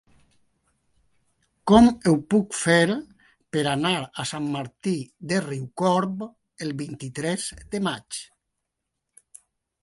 Com ho puc fer per anar a Sant Martí de Riucorb el vint-i-tres de maig?